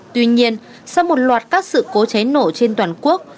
tuy nhiên sau một loạt các sự cố cháy nổ trên toàn quốc